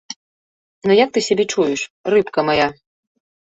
Ну як ты сябе чуеш, рыбка мая?